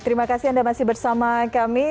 terima kasih anda masih bersama kami